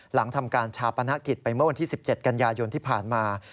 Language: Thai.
หลังทำการชาปนกิจไปเมื่อวันที่๑๗กันยายนที่ผ่านมา